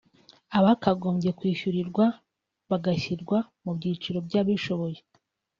abakagombye kwishyurirwa bagashyirwa mu byiciro by’abishoboye